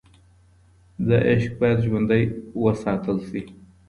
دا عشق باید ژوندی وساتل شي.